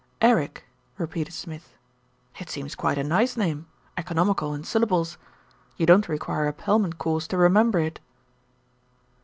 "Eric!" repeated Smith. "It seems quite a nice name, economical in syllables. You don't require a Pelman course to remember it."